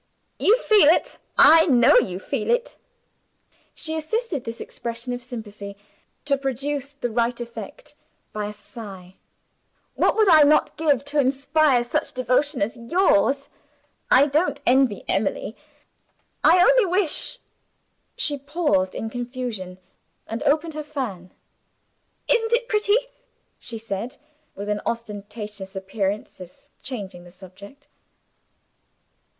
You feel it I know you feel it." She assisted this expression of sympathy to produce the right effect by a sigh. "What would I not give to inspire such devotion as yours! I don't envy Emily; I only wish " She paused in confusion, and opened her fan. "Isn't it pretty?" she said, with an ostentatious appearance of changing the subject.